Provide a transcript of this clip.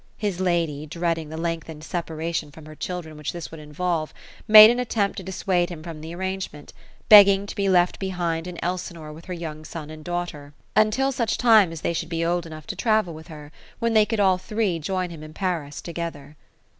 His lady, dreading the lengthened separation from her ehildren which this would involve, made an attempt to dissuade him from the arrangement, begging to be left be hind in Elsinore with her young son and daughter, until such time as THE ROSE OF ELSIKORB. 101 they should ho old enough to travel with her ; when they could all three join him in Paris together.